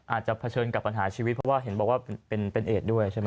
อาจจะเผชิญกับปัญหาชีวิตเพราะว่าเห็นบอกว่าเป็นเอดด้วยใช่ไหม